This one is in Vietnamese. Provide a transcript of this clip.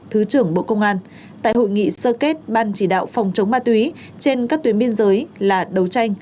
thứ trưởng bộ công an tại hội nghị sơ kết ban chỉ đạo phòng chống ma túy trên các tuyến biên giới là đấu tranh